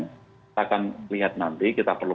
kita akan lihat nanti kita perlu